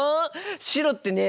白ってね